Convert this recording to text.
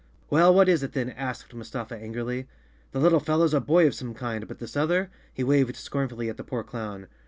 "Well, what is it then?" asked Mustafa angrily. "The little fellow's a boy of some kind, but this other?" He waved scornfully at the poor clown.